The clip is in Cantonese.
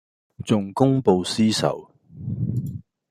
仲公報私仇